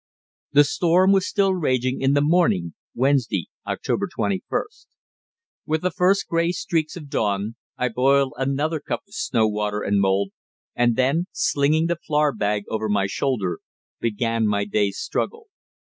The storm was still raging in the morning (Wednesday, October 21st). With the first grey streaks of dawn, I boiled another cup of snow water and mould, and then, slinging the flour bag over my shoulder, began my day's struggle.